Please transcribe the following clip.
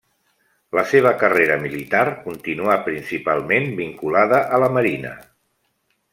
La seva carrera militar continuà principalment vinculada a la Marina.